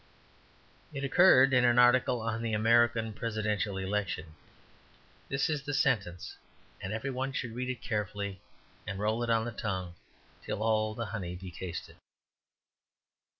It occurred in an article on the American Presidential Election. This is the sentence, and every one should read it carefully, and roll it on the tongue, till all the honey be tasted.